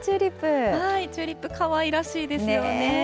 チューリップかわいらしいですよね。